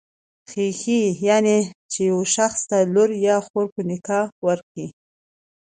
خېښي، يعنی چي يو شخص ته لور يا خور په نکاح ورکي.